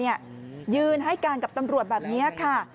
ยืนให้การกับตำรวจแบบนี้ค่ะ